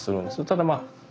ただまあ